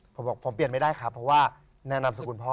ผมบอกผมเปลี่ยนไม่ได้ครับเพราะว่าแนะนำนามสกุลพ่อ